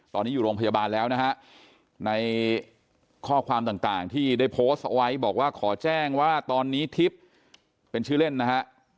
ตอนนี้อยู่โรงพยาบาลแล้วนะฮะในข้อความต่างที่ได้โพสต์เอาไว้บอกว่าขอแจ้งว่าตอนนี้ทิพย์เป็นชื่อเล่นนะฮะ